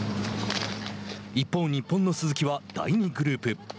一方日本の鈴木は第２グループ。